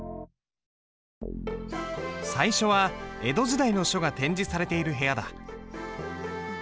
最初は江戸時代の書が展示されている部屋だ。